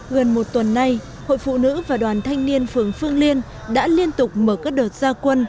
gần một tuần nay hội phụ nữ và đoàn thanh niên phường phương liên đã liên tục mở các đợt gia quân